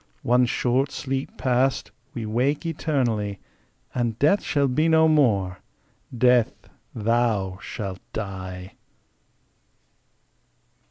One short sleep past, we wake eternally, And Death shall be no more: Death, thou shalt die!